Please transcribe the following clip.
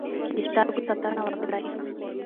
د سترګو ساتنه وکړئ.